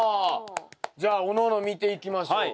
じゃあおのおの見ていきましょう。